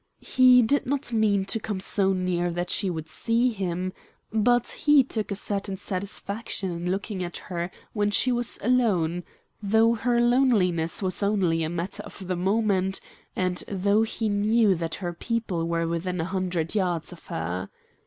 He did not mean to come so near that she would see him, but he took a certain satisfaction in looking at her when she was alone, though her loneliness was only a matter of the moment, and though he knew that her people were within a hundred yards of her.